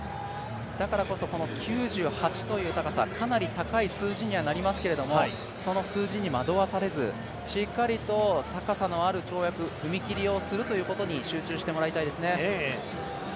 だからこそ９８ｃｍという高さかなり高い数字になりますがその数字に惑わされず、しっかりと高さのある跳躍踏み切りをするということに集中してもらいたいですね。